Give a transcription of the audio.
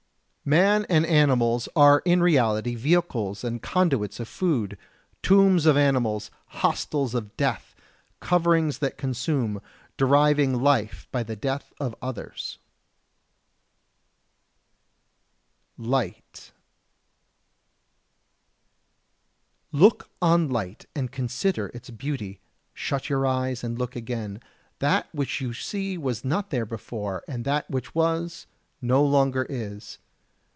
63. Man and animals are in reality vehicles and conduits of food, tombs of animals, hostels of Death, coverings that consume, deriving life by the death of others. [Sidenote: Light] 64. Look on light and consider its beauty. Shut your eyes, and look again: that which you see was not there before, and that which was, no longer is.